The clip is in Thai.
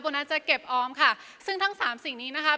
น่าจะเก็บออมค่ะซึ่งทั้งสามสิ่งนี้นะคะ